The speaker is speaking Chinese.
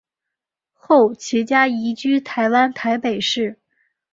后其家移居台湾台北市。